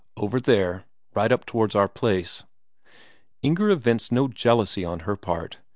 "Over there. Right up towards our place." Inger evinced no jealousy on her part.